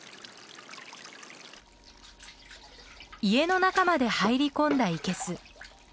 家の中まで入り込んだ生けす。